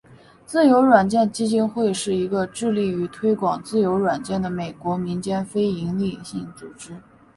自由软件基金会是一个致力于推广自由软件的美国民间非营利性组织。